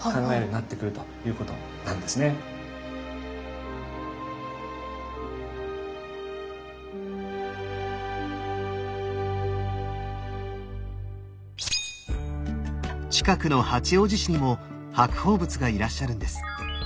だから近くの八王子市にも白鳳仏がいらっしゃるんです。